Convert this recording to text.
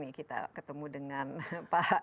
ya kita ketemu dengan pak